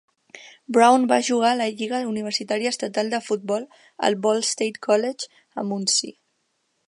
Brown va jugar a la lliga universitària estatal de futbol al Ball State College a Muncie.